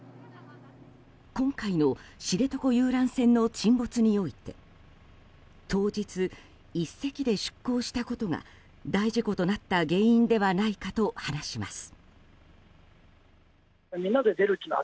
今回の知床遊覧船の沈没において当日１隻で出港したことが大事故となった原因ではないかと話します。